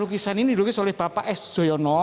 lukisan ini dilukis oleh bapak s joyono